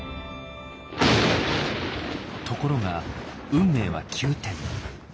ところが運命は急転。